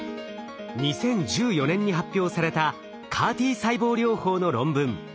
２０１４年に発表されたＣＡＲ−Ｔ細胞療法の論文。